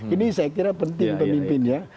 ini saya kira penting pemimpinnya